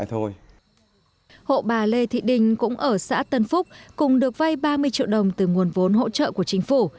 hộ bà lê thị đình cũng ở xã tân phúc cùng được vay ba mươi triệu đồng từ nguồn vốn hỗ trợ của chính phủ